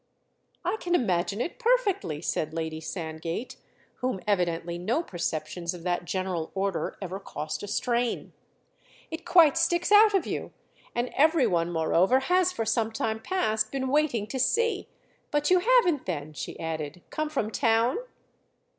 "I can imagine it perfectly," said Lady Sandgate, whom evidently no perceptions of that general order ever cost a strain. "It quite sticks out of you, and every one moreover has for some time past been waiting to see. But you haven't then," she added, "come from town?"